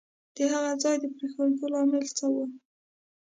د هغه ځای د پرېښودو لامل څه وو؟